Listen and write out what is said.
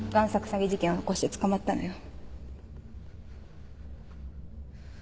詐欺事件を起こして捕まったのよ。